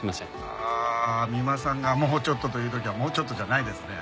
ああ三馬さんが「もうちょっと」と言う時はもうちょっとじゃないですね。